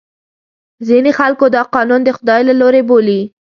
ځینې خلکو دا قانون د خدای له لورې بولي.